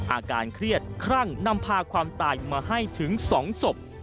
อาการเครียดคลั่งนำพาความตายมาให้ถึง๒ศพ